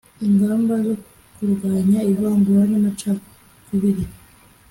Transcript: Ingamba zo kurwanya ivangura n amacakubiri